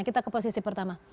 kita ke posisi pertama